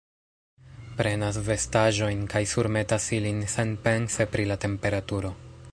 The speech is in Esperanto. Prenas vestaĵojn kaj surmetas ilin senpense pri la temperaturo